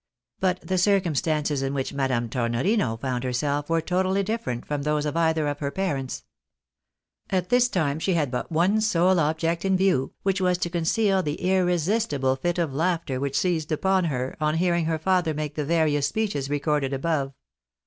But the circumstances in which Madame Tornorino found herself were totally different from those of either of her parents. At this period she had but one sole object in view, which was to conceal the irresistible fit of laughter which seized upon her, on hearing her father make the various speeches recorded above.